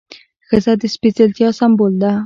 ښځه د سپېڅلتیا سمبول ده.